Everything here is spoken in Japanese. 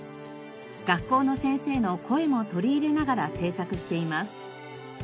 学校の先生の声も取り入れながら製作しています。